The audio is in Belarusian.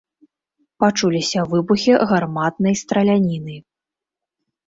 Пачуліся выбухі гарматнай страляніны.